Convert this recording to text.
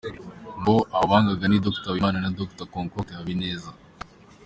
Ngo abo baganga ni Dr Habimana na Dr Concorde Habineza.